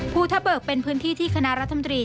ภูทะเบิกเป็นพื้นที่ที่คณะรัฐมนตรี